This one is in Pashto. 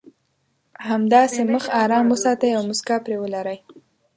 همداسې مخ ارام وساتئ او مسکا پرې ولرئ.